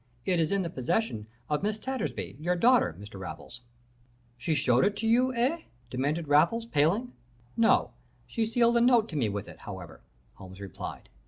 'It is in the possession of Miss Tattersby, your daughter, Mr. Raffles.' "'She showed it to you, eh?' demanded Raffles, paling. "'No. She sealed a note to me with it, however,' Holmes replied.